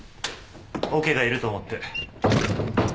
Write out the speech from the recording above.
オケがいると思って。